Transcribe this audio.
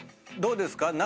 どうですか？